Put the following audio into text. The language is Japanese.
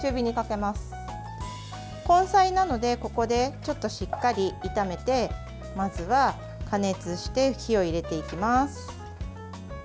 根菜なので、ここでちょっとしっかり炒めてまずは加熱して火を入れていきます。